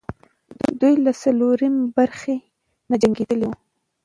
دوی له څلورمې برخې نه جنګېدلې وو.